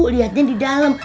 lihatnya di dalam